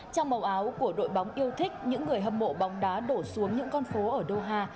trong màu áo của đội bóng yêu thích những người hâm mộ bóng đá đổ xuống những con phố ở doha